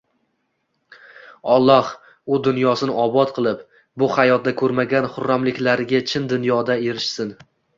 Olloh u dunyosini obod qilib, bu hayotda ko`rmagan xurramliklariga chin dunyoda erishsin